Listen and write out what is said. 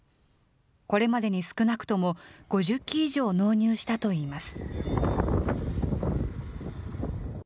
これまでに少なくとも５０機以上、納入したといいます。